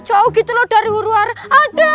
jauh gitu loh dari luar ada